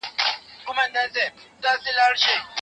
زموږ د معصومو دنګو پېغلو د حیا کلی دی